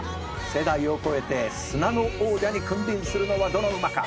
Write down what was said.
「世代を超えて砂の王者に君臨するのはどの馬か」